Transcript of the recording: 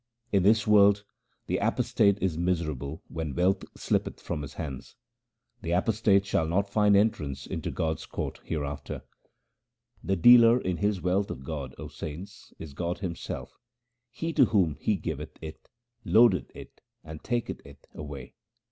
In this world the apostate is miserable when wealth slippeth from his hands : the apostate shall not find entrance into God's court hereafter. The dealer in this wealth of God, O saints, is God Him self ; he to whom He giveth it, loadeth it and taketh it away.